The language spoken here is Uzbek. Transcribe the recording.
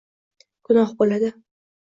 Gunoh bo‘ladi.